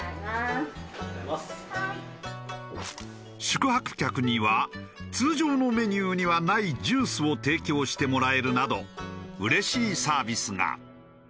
宿泊客には通常のメニューにはないジュースを提供してもらえるなどうれしいサービスが。